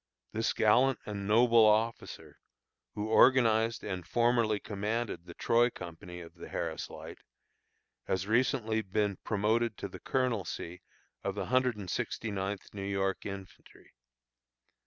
This gallant and noble officer, who organized and formerly commanded the Troy company of the Harris Light, has recently been promoted to the colonelcy of the Hundred and Sixty ninth New York Infantry.